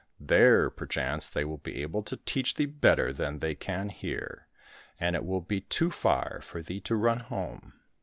There, perchance, they will be able to teach thee better than the^^ can here, and it will be too far for thee to run home."